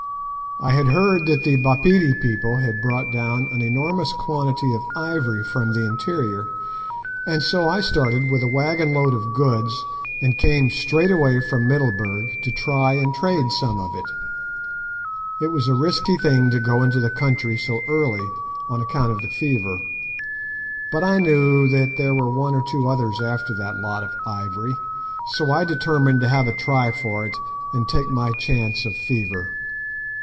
I had heard that the Bapedi people had brought down an enormous quantity of ivory from the interior, and so I started with a waggon load of goods, and came straight away from Middelburg to try and trade some of it. It was a risky thing to go into the country so early, on account of the fever; but I knew that there were one or two others after that lot of ivory, so I determined to have a try for it, and take my chance of fever.